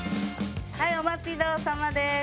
はいお待ちどおさまです。